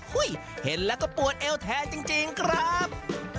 เห็นแล้วก็ปวดเอวแทนจริงครับ